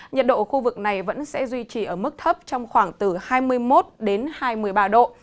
nhiệt độ khu vực này vẫn sẽ duy trì ở mức thấp trong khoảng từ hai mươi một đến hai mươi ba độ